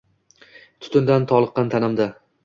Tutundan toliqqan tanamda